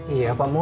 iya pak mul